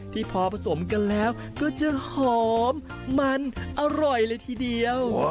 ที่พอผสมกันแล้วก็จะหอมมันอร่อยเลยทีเดียว